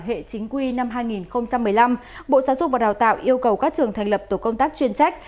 hệ chính quy năm hai nghìn một mươi năm bộ giáo dục và đào tạo yêu cầu các trường thành lập tổ công tác chuyên trách